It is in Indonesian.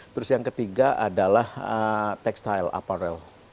terus yang ketiga adalah textile apparel